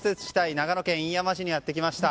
長野県飯山市にやってきました。